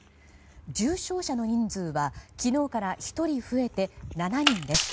重症者の人数は昨日から１人増えて７人です。